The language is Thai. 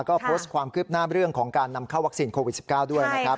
ก็โพสต์ความคืบหน้าเรื่องของการนำเข้าวัคซีนโควิด๑๙ด้วยนะครับ